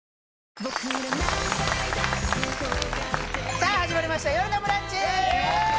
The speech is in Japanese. さあ始まりました「よるのブランチ」イエーイ！